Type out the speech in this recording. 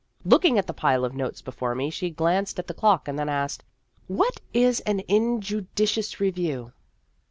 Looking at the pile of notes before me, she glanced at the clock, and then asked, " What is an injudicious review